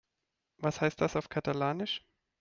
Was heißt das auf Katalanisch?